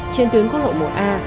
trên tuyến quốc lộ một a